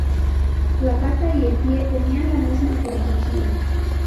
La pata y el pie tenían la misma proporción.